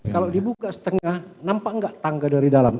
kalau dibuka setengah nampak nggak tangga dari dalam